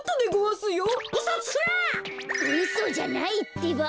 うそじゃないってば。